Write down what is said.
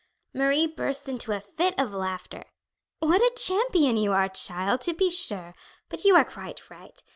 Marie burst into a fit of laughter. "What a champion you are, child, to be sure! But you are quite right.